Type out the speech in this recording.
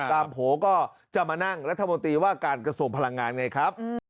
โผล่ก็จะมานั่งรัฐมนตรีว่าการกระทรวงพลังงานไงครับ